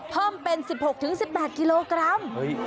เพิ่มเป็น๑๖๑๘กิโลกรัม